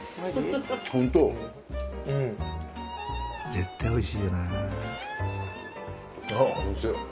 絶対おいしいよな。